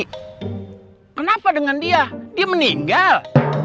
kenapa dengan dia dia meninggal